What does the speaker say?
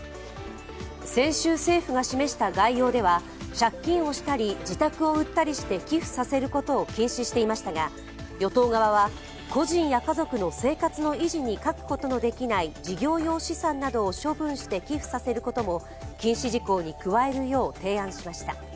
先週、政府が示した概要では、借金をしたり自宅を売ったりして寄付させることを禁止していましたが、与党側は個人や家族の生活の維持に欠くことのできない事業用資産などを処分して寄付させることも禁止事項に加えるよう提案しました。